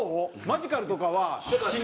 マヂカルとかは。